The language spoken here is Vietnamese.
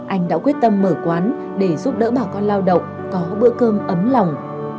anh đã quyết tâm mở quán để giúp đỡ bà con lao động có bữa cơm ấm lòng